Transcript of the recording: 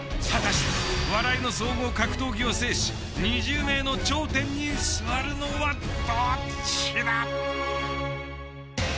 果たして笑いの総合格闘技を制し２０名の頂点に座るのはどっちだ？